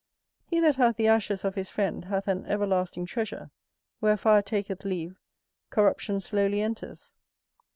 He that hath the ashes of his friend, hath an everlasting treasure; where fire taketh leave, corruption slowly enters.